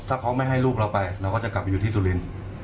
ถ้าเขาไม่ให้ลูกเราไปเราก็จะกลับไปอยู่ที่สุรินทร์